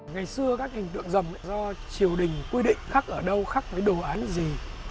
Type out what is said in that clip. ngày xưa các hình tượng dòng do triều đình quy định khắc ở đâu khắc với đồ án gì